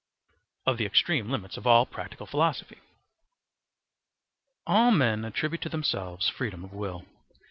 Of the Extreme Limits of all Practical Philosophy. All men attribute to themselves freedom of will.